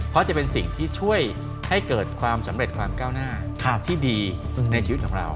เพราะจะเป็นสิ่งที่ช่วยให้เกิดความสำเร็จความก้าวหน้าที่ดีในชีวิตของเรา